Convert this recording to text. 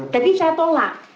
jadi saya tolak